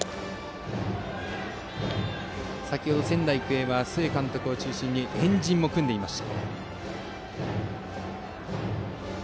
先程、仙台育英は須江監督を中心に円陣も組んでいました。